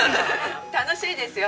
楽しいですよ。